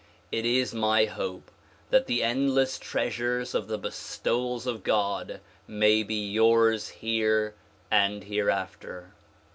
It is my hope that the endless treasures of the bestowals of God may be yours here and hereafter.